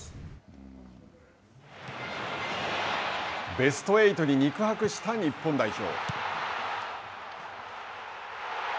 ベスト８に肉薄した日本代表。